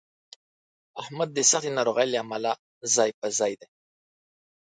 احمد د سختې ناروغۍ له امله ځای په ځای دی.